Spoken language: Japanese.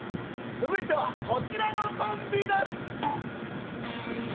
続いてはこちらのコンビです